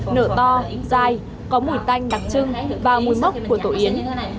nở to dai có mùi tanh đặc trưng và mùi mốc của tổ yến